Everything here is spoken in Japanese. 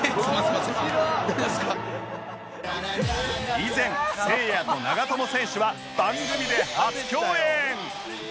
以前せいやと長友選手は番組で初共演